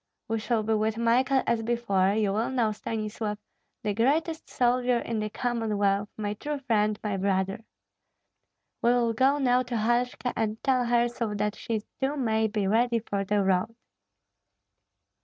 We shall be with Michael as before; you will know, Stanislav, the greatest soldier in the Commonwealth, my true friend, my brother. We will go now to Halshka, and tell her so that she too may be ready for the road."